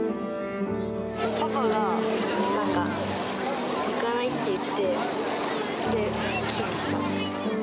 パパがなんか、行かない？って言って、来ました。